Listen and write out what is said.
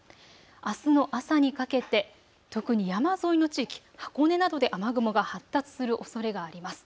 あすの朝にかけて特に山沿いの地域、箱根などで雨雲が発達するおそれがあります。